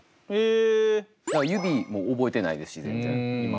指も覚えてないですし全然今。